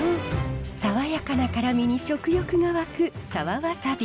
爽やかな辛みに食欲がわく沢ワサビ。